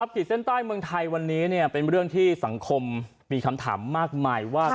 ขีดเส้นใต้เมืองไทยวันนี้เป็นเรื่องที่สังคมมีคำถามมากมายว่า